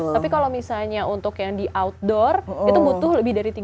tapi kalau misalnya untuk yang di outdoor itu butuh lebih dari tiga puluh